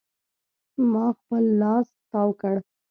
ما خپل لاس تاو کړ.